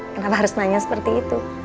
kenapa harus nanya seperti itu